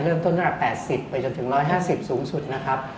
เริ่มต้น๘๐ไปจนถึง๑๕๐สูงสุดนะครับ